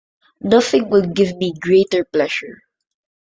Nothing would give me greater pleasure.